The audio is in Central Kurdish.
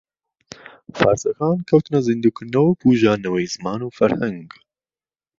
فارسەکان کەوتنە زیندو کردنەوە و بوژاندنەوەی زمان و فەرھەنگ